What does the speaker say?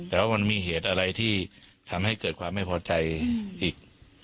แต่ว่ามันมีเหตุอะไรที่ทำให้เกิดความไม่พอใจอีก